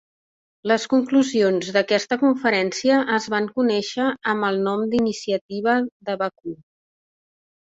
Les conclusions d'aquesta conferència es van conèixer amb el nom d'Iniciativa de Bakú.